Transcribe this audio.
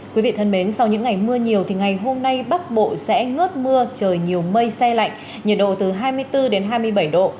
quý vị thân mến sau những ngày mưa nhiều thì ngày hôm nay bắc bộ sẽ ngớt mưa trời nhiều mây xe lạnh nhiệt độ từ hai mươi bốn đến hai mươi bảy độ